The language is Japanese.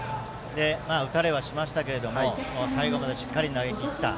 打たれはしましたが最後までしっかり投げきった。